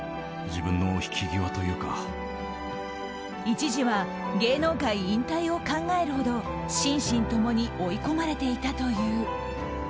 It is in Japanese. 一時は芸能界引退を考えるほど心身共に追い込まれていたという。